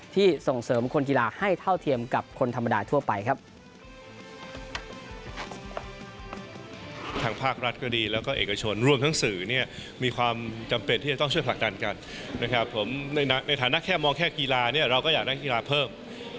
ส่งเสริมคนกีฬาให้เท่าเทียมกับคนธรรมดาทั่วไปครับ